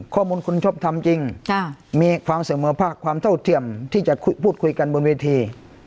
ข้อมูลคุณชอบทำจริงมีความเสมอภาคความเท่าเทียมที่จะพูดคุยกันบนเวที